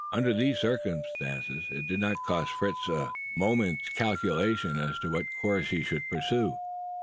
Under the circumstances, it did not cost Fritz a moment's calculation as to what course he should pursue.